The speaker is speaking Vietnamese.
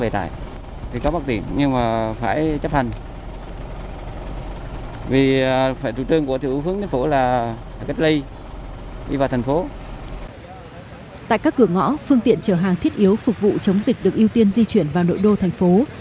tại các cửa ngõ phương tiện chở hàng thiết yếu phục vụ chống dịch được ưu tiên di chuyển vào nội đô thành phố